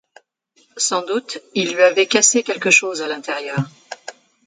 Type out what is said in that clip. Sans doute, il lui avait cassé quelque chose à l'intérieur.